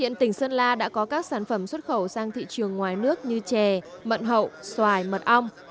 hiện tỉnh sơn la đã có các sản phẩm xuất khẩu sang tỉnh